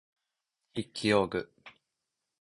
筆記用具